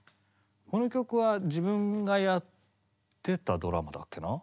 この曲は自分がやってたドラマだっけな？